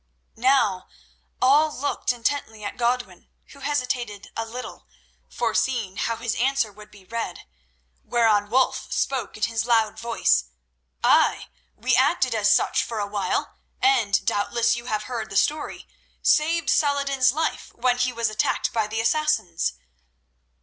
Now all looked intently at Godwin, who hesitated a little, foreseeing how his answer would be read, whereon Wulf spoke in his loud voice: "Ay, we acted as such for awhile, and—doubtless you have heard the story—saved Saladin's life when he was attacked by the Assassins."